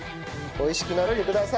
美味しくなってください！